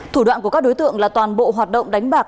thủ đoạn của các đối tượng là toàn bộ hoạt động đánh bạc